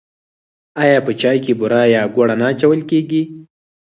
آیا په چای کې بوره یا ګوړه نه اچول کیږي؟